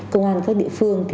công an các địa phương